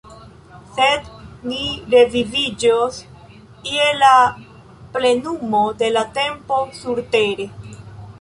Sed ni reviviĝos je la plenumo de la tempo surtere.